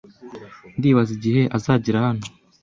Ndibaza igihe azagera hano.